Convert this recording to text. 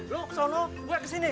lo kesana gue kesini